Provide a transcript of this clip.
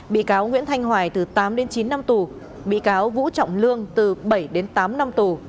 bị cáo nguyễn thanh hoài từ tám đến chín năm tù bị cáo vũ trọng lương từ bảy đến tám năm tù